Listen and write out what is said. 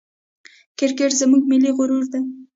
کرکټ زموږ ملي غرور دئ.